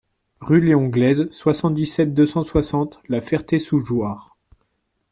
Rue Léon Glaize, soixante-dix-sept, deux cent soixante La Ferté-sous-Jouarre